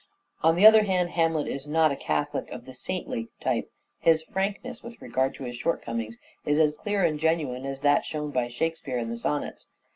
On the other hand, Hamlet is not a Catholic of the saintly type. His frankness with regard to his shortcomings is as clear and genuine as that shown by " Shakespeare " in the Sonnets.